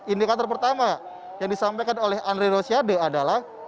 indikator pertama yang disampaikan oleh andre rosiade adalah